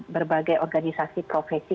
berbagai organisasi profesi